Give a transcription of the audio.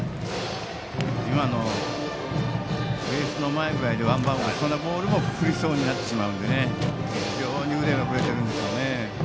今のベースの前ぐらいでワンバウンド、そんなボールも振りそうになってしまうので非常に腕が振れているんですよね。